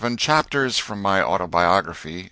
CHAPTERS FROM MY AUTOBIOGRAPHY.